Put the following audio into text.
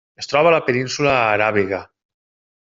Es troba a la Península Aràbiga.